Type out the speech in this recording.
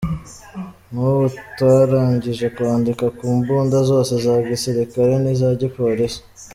Nk’ubu twarangije kwandika ku mbunda zose za gisirikare n’iza gipolisi.